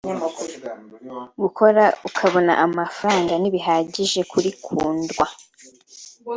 Gukora ukabona amafaranga ntibihagije kuri Kundwa